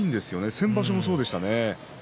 先場所もそうでした。